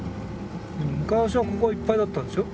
昔はここはいっぱいだったんですよ。